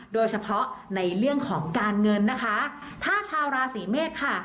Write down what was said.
โดยเฉพาะในเรื่องของการเงินนะคะถ้าชาวราศีเมษค่ะ